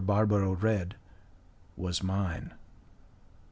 Barbaro read, was mine.